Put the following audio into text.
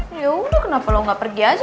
ya yaudah kenapa lo gak pergi aja